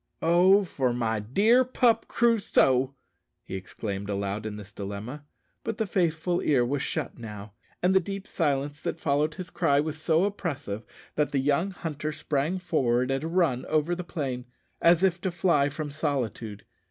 "Oh for my dear pup Crusoe!" he exclaimed aloud in this dilemma; but the faithful ear was shut now, and the deep silence that followed his cry was so oppressive that the young hunter sprang forward at a run over the plain, as if to fly from solitude.